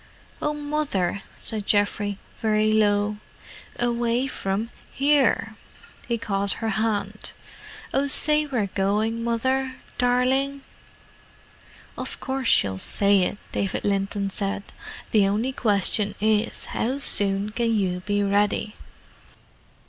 "Oh, Mother!" said Geoffrey, very low. "Away from—here!" He caught her hand. "Oh, say we're going, Mother—darling!" "Of course she'll say it," David Linton said. "The only question is, how soon can you be ready?"